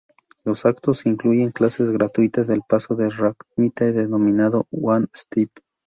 Los actos incluyen clases gratuitas del paso de ragtime denominado one-step.